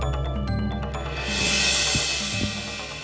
selamat kalian berhasil